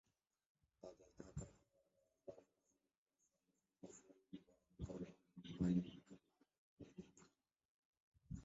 তাদের থাকা-খাওয়া-পড়াশোনা থেকে শুরু করে সমস্ত কিছুই বহন করে এই পাইকপাড়া এতিমখানা।